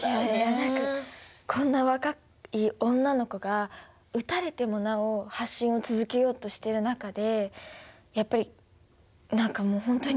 こんな若い女の子が撃たれてもなお発信を続けようとしてる中でやっぱり何かもう本当に何なんだろうなって